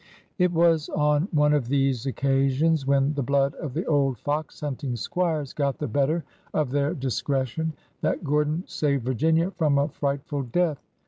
It was on one of these occasions, when the blood of the old fox hunting squires got the better of their dis cretion, that Gordon saved Virginia from a frightful death.